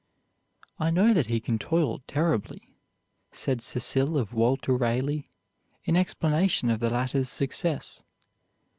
"I know that he can toil terribly," said Cecil of Walter Raleigh, in explanation of the latter's success.